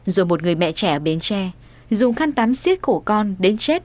rồi một người mẹ trẻ ở bến tre dùng khăn tắm giết cổ con đến chết